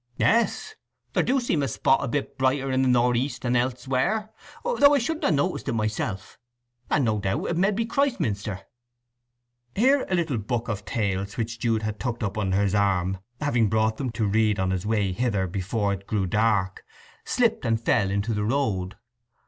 "Yes. There do seem a spot a bit brighter in the nor' east than elsewhere, though I shouldn't ha' noticed it myself, and no doubt it med be Christminster." Here a little book of tales which Jude had tucked up under his arm, having brought them to read on his way hither before it grew dark, slipped and fell into the road.